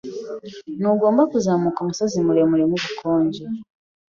Ntugomba kuzamuka umusozi muremure nkubukonje.